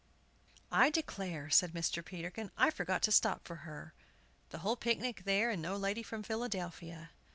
"I declare," said Mr. Peterkin, "I forgot to stop for her!" The whole picnic there, and no lady from Philadelphia!